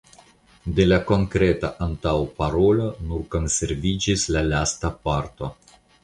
De la konkreta antaŭparolo nur konserviĝis la lasta parto.